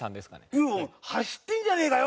いや走ってんじゃねえかよ！